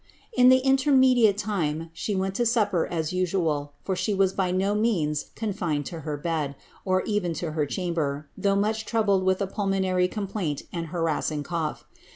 ^ In the intermediate time she went to supper as usual, for she was by no means confined to her bed, or even to her chamber, though much troubled with a pulmonary complaint and harassing cough.